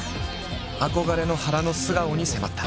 憧れの原の素顔に迫った。